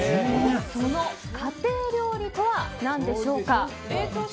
その家庭料理とは何でしょうか。